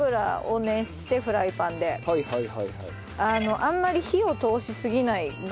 あんまり火を通しすぎないぐらいに。